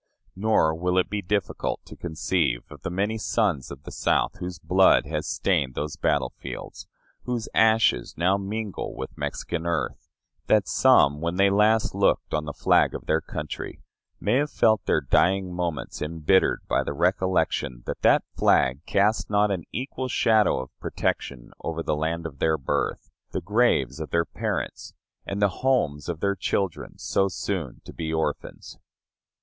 Nor will it be difficult to conceive, of the many sons of the South whose blood has stained those battle fields, whose ashes now mingle with Mexican earth, that some, when they last looked on the flag of their country, may have felt their dying moments embittered by the recollection that that flag cast not an equal shadow of protection over the land of their birth, the graves of their parents, and the homes of their children, so soon to be orphans.